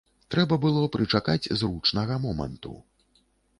Трэба было прычакаць зручнага моманту.